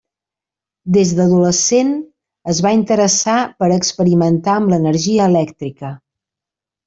Des d'adolescent es va interessar per experimentar amb l'energia elèctrica.